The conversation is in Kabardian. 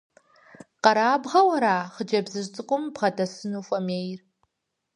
Къэрабгъэу ара хъыджэбзыжь цӀыкӀум бгъэдэсыну хуэмейр?